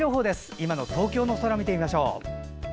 今の東京の空見てみましょう。